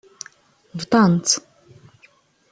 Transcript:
Bḍant.